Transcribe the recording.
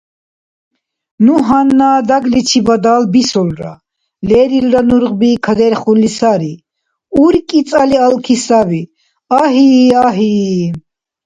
Ну гьанна дагличибадал бисулра, лерилра нургъби кадерхурли сари, уркӀи цӀали алки саби… Агьи-агьи!